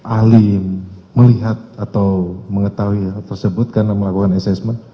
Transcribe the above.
alim melihat atau mengetahui hal tersebut karena melakukan assessment